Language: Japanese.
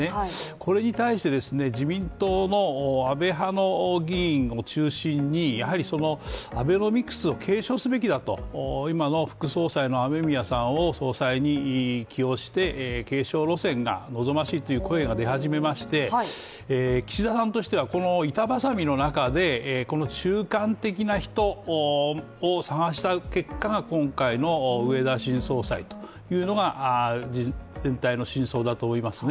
これに対して自民党の安倍派の議員を中心にやはりアベノミクスを継承すべきだと今の副総裁の雨宮さんを総裁に起用して、継承路線が望ましいという声が出始めまして岸田さんとしてはこの板挟みの中で中間的な人を探した結果が今回の植田新総裁というのが全体の真相だと思いますね。